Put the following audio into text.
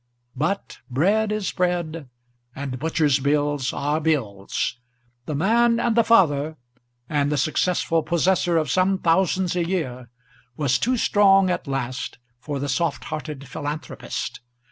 But bread is bread, and butcher's bills are bills! The man and the father, and the successful possessor of some thousands a year, was too strong at last for the soft hearted philanthropist.